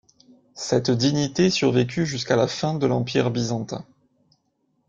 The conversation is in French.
Cette dignité survécut jusqu’à la fin de l’Empire byzantin.